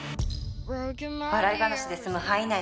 笑い話で済む範囲内なのだ。